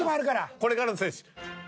これからの選手。